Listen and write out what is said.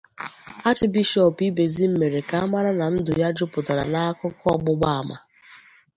Achbishọọpụ Ibezim mere ka a mara na ndụ ya jupụtara n'akụkọ ọgbụgba àmà